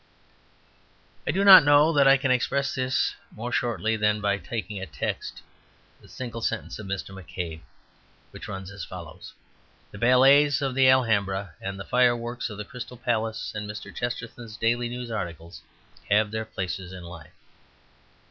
I do not know that I can express this more shortly than by taking as a text the single sentence of Mr. McCabe, which runs as follows: "The ballets of the Alhambra and the fireworks of the Crystal Palace and Mr. Chesterton's Daily News articles have their places in life."